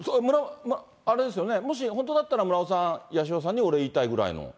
あれですよね、もし本当だったら、村尾さん、八代さんにお礼言いたいぐらいの？